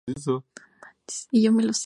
Vampire Woman".